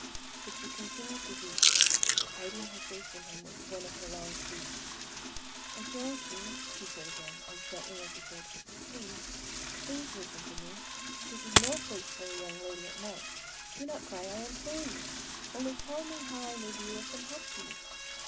But she continued to weep,‚ÄĒhiding her face from him with one of her long sleeves. “O jochŇę,‚ÄĚ he said again, as gently as he could,‚ÄĒ‚Äúplease, please listen to me!... This is no place for a young lady at night! Do not cry, I implore you!‚ÄĒonly tell me how I may be of some help to you!